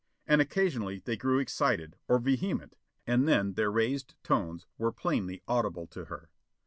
And occasionally they grew excited, or vehement, and then their raised tones were plainly audible to her.